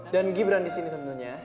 dan gibran disini tentunya